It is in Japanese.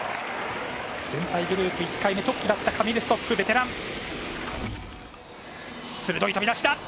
全体グループ１回目トップだったカミル・ストッフ、ベテラン。